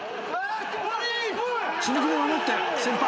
死ぬ気で守って先輩。